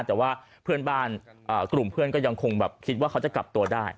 แต่ว่าเพื่อนบ้านกลุ่มเพื่อนก็ยังคงแบบคิดว่าเขาจะกลับตัวได้